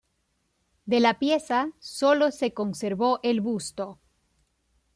De la pieza sólo se conservó el busto.